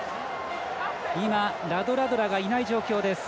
今、ラドラドラがいない状況です。